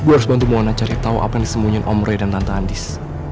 gua harus bantu muwana cari tahu apa yang disemunyikan om rey dan tante andis